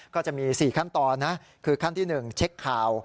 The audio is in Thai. ก็จะมี๔ขั้นตอนนะคือขั้นที่๑เช็คข่าว